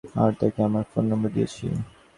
আর তাকে আমার phone number দিয়েছি।